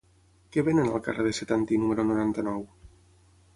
Què venen al carrer de Setantí número noranta-nou?